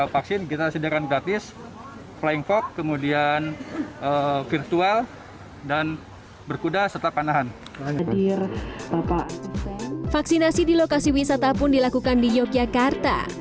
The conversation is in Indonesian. vaksinasi di lokasi wisata pun dilakukan di yogyakarta